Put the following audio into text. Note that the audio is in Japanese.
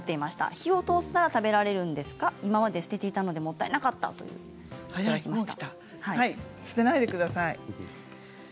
火を通すのが食べられるんですが今まで捨てていたのでもったいなかった、といただきました。